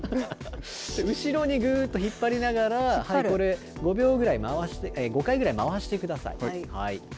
後ろにぐーっと引っ張りながら、これ、５秒ぐらい、５回ぐらい回してください。